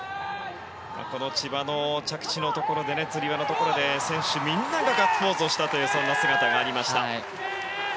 この千葉の着地のところでつり輪のところ、選手みんながガッツポーズしたというそんな姿がありました。